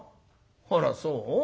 「あらそう？